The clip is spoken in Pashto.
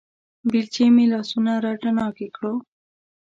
بېلچې مې لاسونه راتڼاکې کړو